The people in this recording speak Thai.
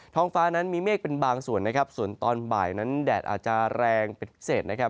ห้องฟ้านั้นมีเมฆเป็นบางส่วนนะครับส่วนตอนบ่ายนั้นแดดอาจจะแรงเป็นพิเศษนะครับ